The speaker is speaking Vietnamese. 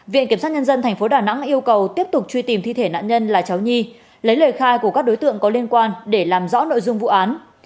viện kiểm sát nhân dân tp đà nẵng yêu cầu tiếp tục truy tìm thi thể nạn nhân là cháu nhi lấy lời khai của các đối tượng có liên quan để làm rõ nội dung vụ án